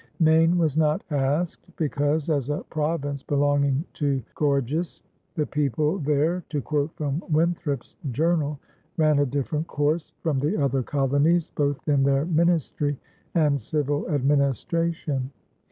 Maine was not asked because, as a province belonging to Gorges, the people there (to quote from Winthrop's Journal) "ran a different course from the other colonies, both in their ministry and civil administration